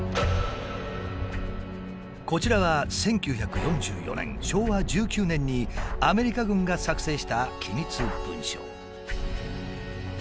こちらは１９４４年昭和１９年にアメリカ軍が作成した機密文書。